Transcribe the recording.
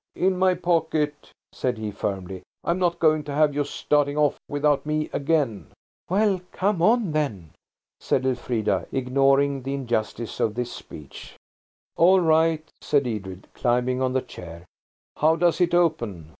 "In my pocket," said he firmly. "I'm not going to have you starting off without me–again." "EDRED AND THE BIG CHAIR FELL TO THE FLOOR." "Well, come on, then," said Elfrida, ignoring the injustice of this speech. "All right," said Edred, climbing on the chair. "How does it open?"